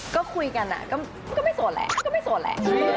ก็คุยกันนะก็ไม่โสดแหละ